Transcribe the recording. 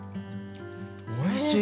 おいしい！